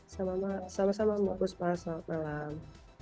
sama sama mbak puspa selamat malam